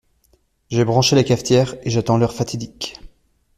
J’ai branché la cafetière et j'attends l'heure fatidique.